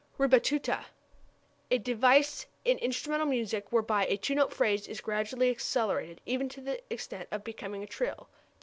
Ribattuta a device in instrumental music whereby a two note phrase is gradually accelerated, even to the extent of becoming a trill.